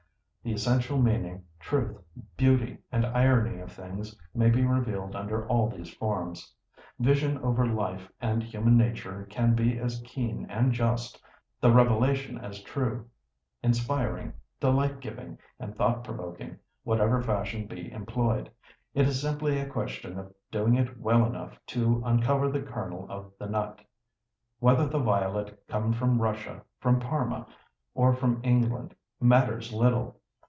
The essential meaning, truth, beauty, and irony of things may be revealed under all these forms. Vision over life and human nature can be as keen and just, the revelation as true, inspiring, delight giving, and thought provoking, whatever fashion be employed—it is simply a question of doing it well enough to uncover the kernel of the nut. Whether the violet come from Russia, from Parma, or from England, matters little.